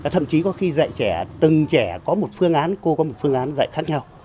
thậm chí có khi dạy trẻ từng trẻ có một phương án cô có một phương án dạy khác nhau